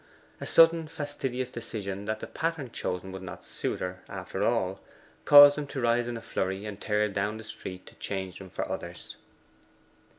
A sudden fastidious decision that the pattern chosen would not suit her after all caused him to rise in a flurry and tear down the street to change them for others.